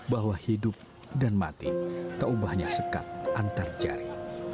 bahwa hidup dan mati tak ubahnya sekat antar jari